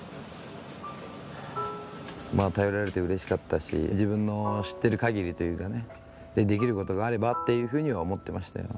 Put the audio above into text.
頼られてうれしかったし、自分の知ってるかぎりというかね、できることがあればっていうふうには思ってましたよね。